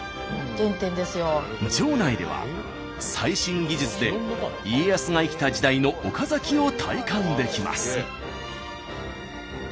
城内では最新技術で家康が生きた時代の岡崎を体感できます。